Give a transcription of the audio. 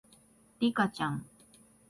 リカちゃん